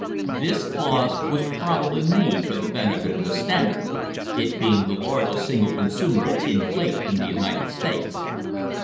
This clause was probably made for the benefit of the Standard, it being the largest single consumer of tin plate in the United States.